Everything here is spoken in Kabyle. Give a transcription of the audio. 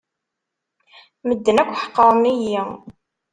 Medden akk ḥeqren-iyi.